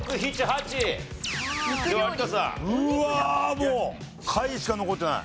もう下位しか残ってない。